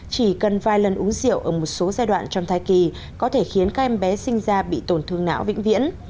chỉ cần vài lần uống rượu ở một số giai đoạn trong thai kỳ có thể khiến các em bé sinh ra bị tổn thương não vĩnh viễn